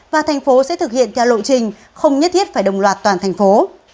và thành phố sẽ thực hiện theo lộ trình không nhất thiết phải đồng loạt toàn thành phố